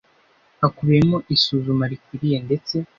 hakubiyemo isuzuma rikwiye ndetse